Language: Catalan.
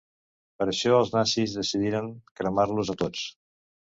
Per això els nazis decidiren cremar-los a tots.